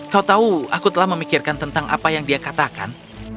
kau tahu aku telah memikirkan tentang apa yang dia katakan